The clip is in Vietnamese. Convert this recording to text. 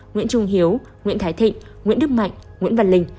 nguyễn trung hiếu nguyễn thái thịnh nguyễn đức mạnh nguyễn văn linh